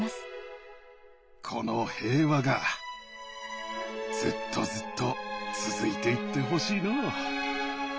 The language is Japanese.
この平和がずっとずっと続いていってほしいのう。